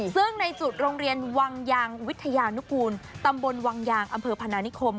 ซึ่งในจุดโรงเรียนวังยางวิทยานุกูลตำบลวังยางอำเภอพนานิคม